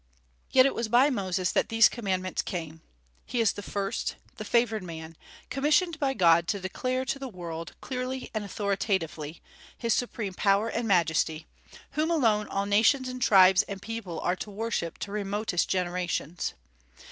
Yet it was by Moses that these Commandments came. He is the first, the favored man, commissioned by God to declare to the world, clearly and authoritatively, His supreme power and majesty, whom alone all nations and tribes and people are to worship to remotest generations.